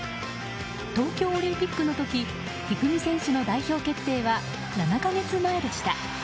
東京オリンピックの時一二三選手の代表決定は７か月前でした。